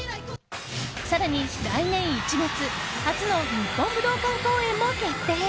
更に、来年１月初の日本武道館公演も決定。